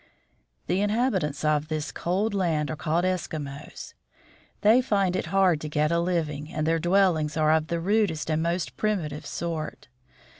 The inhabitants of this cold land are called Eskimos. They find it hard to get a living, and their dwellings are of the rudest and most primitive sort.